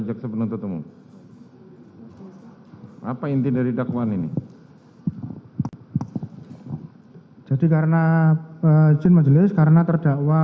jaksa penuntut umum dalam dakwaannya menyatakan bahwa